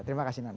terima kasih nana